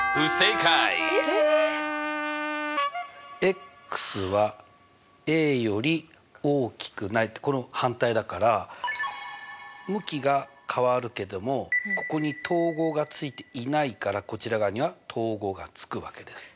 えっ？はより大きくないってこれの反対だから向きが変わるけどもここに等号がついていないからこちら側には等号がつくわけです。